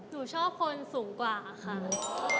หนูชอบคนสูงกว่าค่ะ